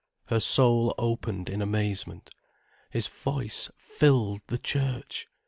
Her soul opened in amazement. His voice filled the church!